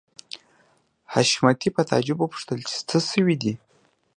حشمتي په تعجب وپوښتل چې څه شوي دي